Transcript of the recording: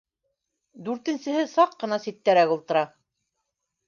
Дүртенсеһе саҡ ҡына ситтәрәк ултыра.